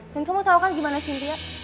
dan kamu tau kan gimana cynthia